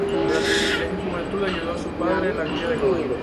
Durante su niñez y juventud ayudó a su padre en la cría de caballos.